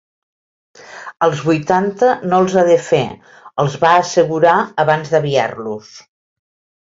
Els vuitanta no els ha de fer —els va assegurar, abans d'aviar-los.